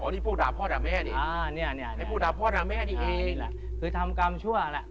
นี่พวกด่าพ่อด่าแม่นี่พวกด่าพ่อด่าแม่นี่เองแหละคือทำกรรมชั่วแหละ